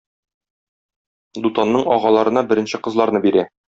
Дутанның агаларына беренче кызларны бирә.